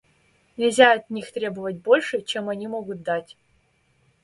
Нельзя от них требовать больше, чем они могут дать.